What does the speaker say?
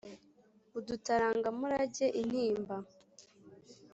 udutaranga murage intimba